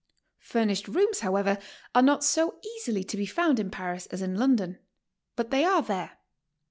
Furnished rooms, however, are not so easily to be found in Paris as in I.ondon, but they are there.